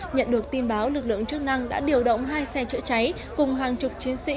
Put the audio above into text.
nhận được tin báo lực lượng chức năng đã điều động hai xe chữa cháy cùng hàng chục chiến sĩ